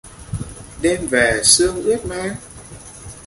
Đêm về sương ướt má